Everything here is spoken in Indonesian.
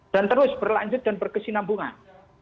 dan terus berlanjut dan berkesinambungan